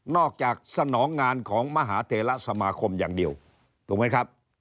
จากสนองงานของมหาเทระสมาคมอย่างเดียวถูกไหมครับ